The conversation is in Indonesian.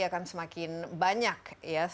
akan semakin banyak